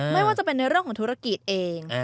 ไม่ว่าจะเป็นในเรื่องของธุรกิจเอง